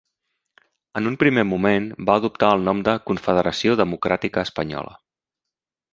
En un primer moment va adoptar el nom de Confederació Democràtica Espanyola.